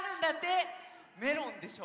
メロンでしょ！